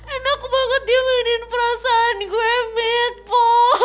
enak banget dia mainin perasaan gue mitpo